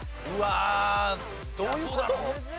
うわどういう事？